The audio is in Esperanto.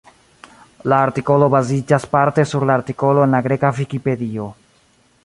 La artikolo baziĝas parte sur la artikolo en la greka Vikipedio.